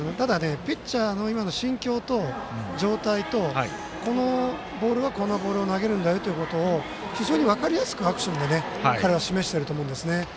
ただ、ピッチャーの今の心境と状態とこのボールはこのボールを投げるんだよということを非常に分かりやすく彼はアクションで示していると思うんです。